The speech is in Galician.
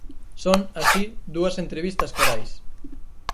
Son, así, dúas entrevistas corais.